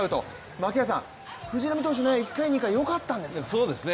槙原さん、藤浪投手、１回、２回、よかったんですけどね。